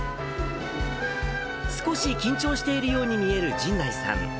少し緊張しているように見える神内さん。